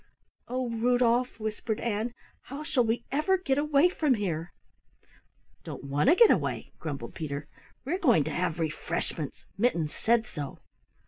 "Oh, Rudolf," whispered Ann, "how shall we ever get away from here?" "Don't want to get away," grumbled Peter. "We're going to have refreshments; Mittens said so."